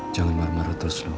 jangan marah marah terus